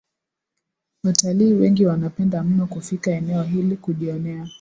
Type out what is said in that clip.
watalii wengi wanapenda mno kufika eneo hili kujionea